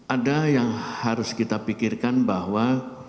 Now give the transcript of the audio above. ada yang harus kita pikirkan bahwa